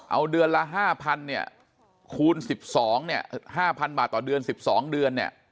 เอาเดือนละ๕๐๐เนี่ยคูณ๑๒เนี่ย๕๐๐บาทต่อเดือน๑๒เดือนเนี่ย